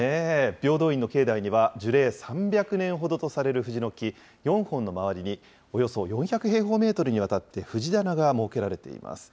平等院の境内には、樹齢３００年ほどとされる藤の木４本の周りに、およそ４００平方メートルにわたって藤棚が設けられています。